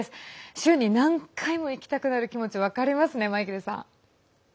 週に何回も行きたくなる気持ち分かりますね、マイケルさん。